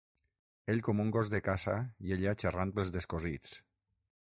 Ell com un gos de caça i ella xerrant pels descosits.